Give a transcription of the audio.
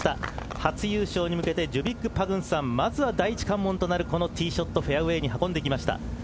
初優勝に向けてジュビック・パグンサンまずは第一関門となるティーショットフェアウエーに運んできました。